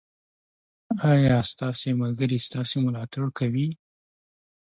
ایا ستاسې ملګري ستاسې ملاتړ کوي؟